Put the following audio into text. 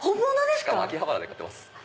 しかも秋葉原で買ってます。